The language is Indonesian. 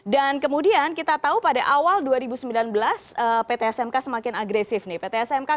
dan kemudian kita tahu pada awal dua ribu sembilan belas pt smk semakin agresif nih